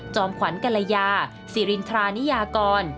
จอมขวัญกะละยาสิรินทรานิยากร